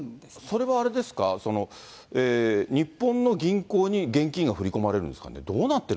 それはあれですか、日本の銀行に現金が振り込まれるんですか